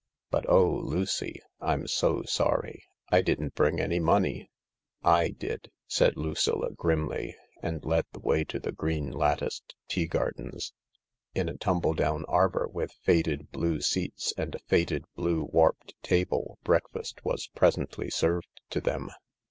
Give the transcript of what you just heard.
But oh, Lucy, I'm so sorry. I didn't bring any money I "" J did," said Lucilla grimly, and led the way to the green latticed tea gardens. In a tumble down arbour, with faded blue seats and a faded blue, warped table, breakfast was presently served to them.